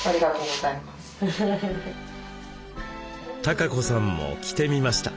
孝子さんも着てみました。